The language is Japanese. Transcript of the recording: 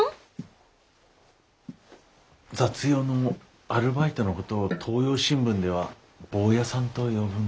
雑用のアルバイトのことを東洋新聞ではボーヤさんと呼ぶんです。